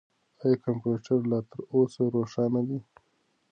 آیا کمپیوټر لا تر اوسه روښانه دی؟